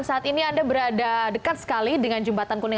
saat ini anda berada dekat sekali dengan jembatan kuningan